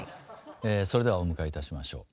それではお迎えいたしましょう。